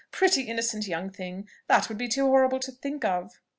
Pretty innocent young thing! that would be too horrible to think of."